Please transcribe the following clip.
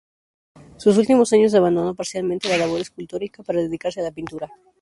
Sus últimos años abandonó parcialmente la labor escultórica, para dedicarse a la pintura.